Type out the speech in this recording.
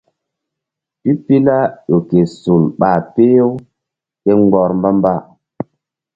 Pipila ƴo ke sol ɓa peh-u ke mgbɔr mba-mba.